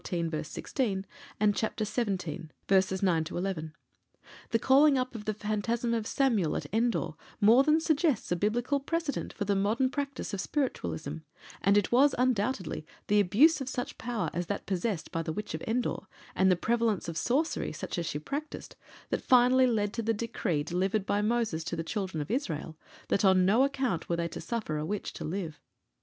verse 16, and chapter xvii., verses 9 11. The calling up of the phantasm of Samuel at Endor more than suggests a biblical precedent for the modern practice of spiritualism; and it was, undoubtedly, the abuse of such power as that possessed by the witch of Endor, and the prevalence of sorcery, such as she practised, that finally led to the decree delivered by Moses to the Children of Israel, that on no account were they to suffer a witch to live.